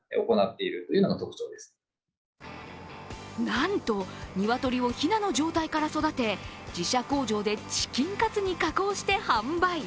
なんと、鶏をひなの状態から育て自社工場でチキンカツに加工して販売。